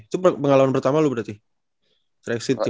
itu pengalaman pertama lu berarti